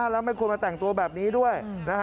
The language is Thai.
แล้วไม่ควรมาแต่งตัวแบบนี้ด้วย